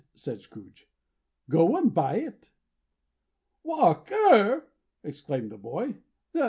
said Scrooge. "Go and buy it." "Walk ER!" exclaimed the boy.